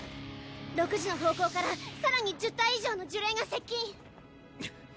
６時の方向から更に１０体以上の呪霊が接近。